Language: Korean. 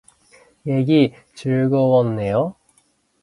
얘기 즐거웠네요.